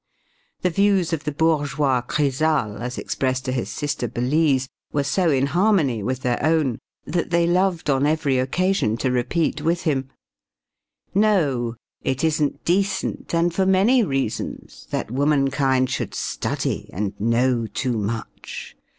The views of the bourgeois Chrysale as expressed to his sister, Belise, were so in harmony with their own that they loved on every occasion to repeat with him: "No, It isn't decent, and for many reasons, That womankind should study and know too much.